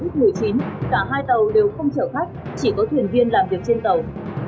thời điểm dịch covid một mươi chín cả hai tàu đều không chở khách chỉ có thuyền viên làm việc trên tàu